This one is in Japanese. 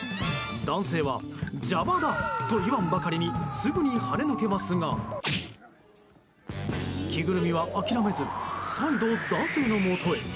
男性は邪魔だと言わんばかりにすぐにはねのけますが着ぐるみは諦めず再度、男性のもとへ。